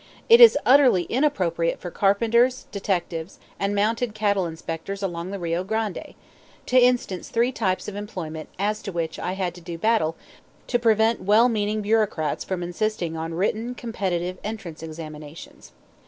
It is utterly inappropriate for carpenters, detectives, and mounted cattle inspectors along the Rio Grande to instance three types of employment as to which I had to do battle to prevent well meaning bureaucrats from insisting on written competitive entrance examinations.